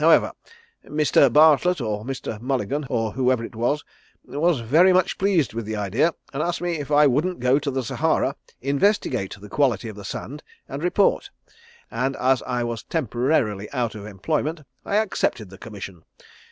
However, Mr. Bartlett, or Mr. Mulligan, or whoever it was, was very much pleased with the idea and asked me if I wouldn't go to the Sahara, investigate the quality of the sand, and report; and as I was temporarily out of employment I accepted the commission.